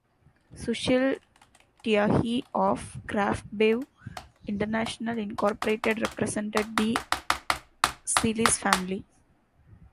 Sushil Tyagi, of Craftbev International Incorporated represented the Celis family.